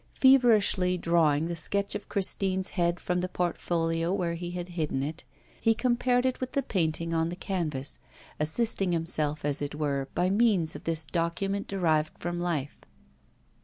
Feverishly drawing the sketch of Christine's head from the portfolio where he had hidden it, he compared it with the painting on the canvas, assisting himself, as it were, by means of this document derived from life.